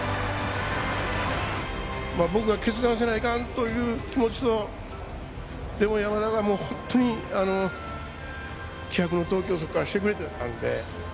僕が決断せないかんという気持ちとでも山田が本当に気迫の投球をそこからしてくれてたんで。